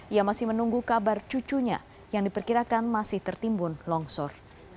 ia masih menunggu kabar cucunya yang diperkirakan masih tertimbun longsor